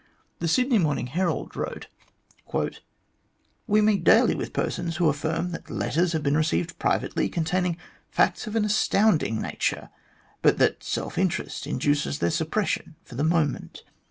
The Sydney Morning Herald wrote :" We meet daily with persons who affirm that letters have been received privately, containing facts of an astounding nature, but that self interest induces their suppression for the moment.